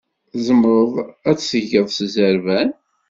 Tzemreḍ ad t-tgeḍ s zzerban?